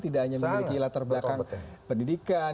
tidak hanya memiliki latar belakang pendidikan